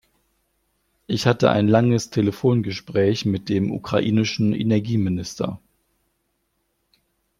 Ich hatte ein langes Telefongespräch mit dem ukrainischen Energieminister.